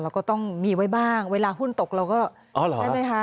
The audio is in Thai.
เราก็ต้องมีไว้บ้างเวลาหุ้นตกเราก็ใช่ไหมคะ